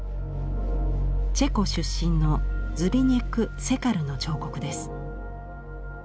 チェコ出身のズビニェク・セカルの彫刻です。